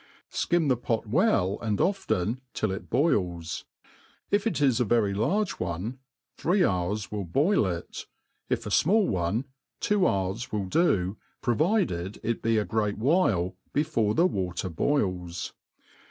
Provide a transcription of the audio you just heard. Skim the pot well and often, till it boils. If it is a very large one, three hours w'Al boil it ; if a fmall one, two hours will do, provided it be a great while brfore the water boils.